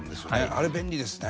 あれ便利ですね。